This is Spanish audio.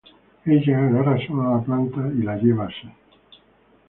Ella agarra sola la planta y la lleva asi.